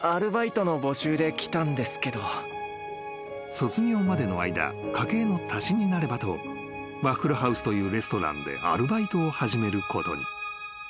［卒業までの間家計の足しになればとワッフルハウスというレストランでアルバイトを始めることに］